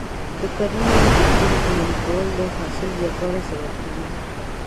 د کرنې اصول عملي کول د حاصل زیاتوالي سبب کېږي.